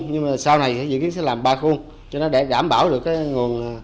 nhưng sau này dự kiến sẽ làm ba khuôn để đảm bảo được nguồn